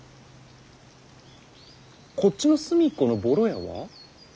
こっちの隅っこのボロ家は。